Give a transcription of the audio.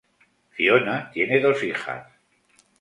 Fiona tiene dos hijas.